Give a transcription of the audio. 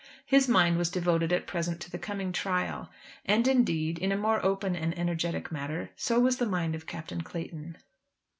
His mind was devoted at present to the coming trial. And indeed, in a more open and energetic manner, so was the mind of Captain Clayton.